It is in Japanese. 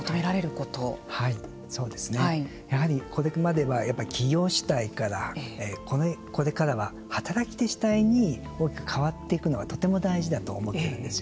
やはりこれまでは企業主体からこれからは、働き手主体に大きく変わっていくのがとても大事だと思っているんですよね。